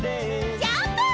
ジャンプ！